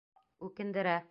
Үкендерә!..